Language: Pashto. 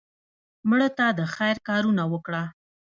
مړه ته د خیر کارونه وکړه